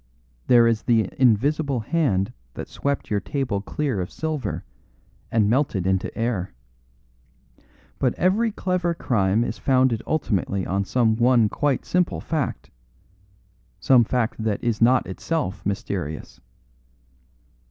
There is the invisible hand that swept your table clear of silver and melted into air. But every clever crime is founded ultimately on some one quite simple fact some fact that is not itself mysterious.